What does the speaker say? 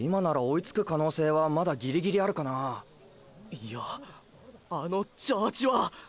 いやあのジャージは！